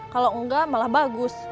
kalau enggak malah bagus